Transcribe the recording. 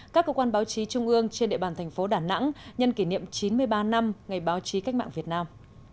các cơ quan báo chí trung ương trên địa bàn thành phố đà nẵng nhân kỷ niệm chín mươi ba năm ngày báo chí cách mạng việt nam